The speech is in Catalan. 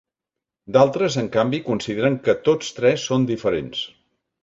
D'altres, en canvi, consideren que tots tres són diferents.